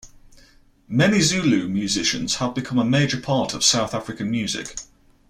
Many Zulu musicians have become a major part of South African music.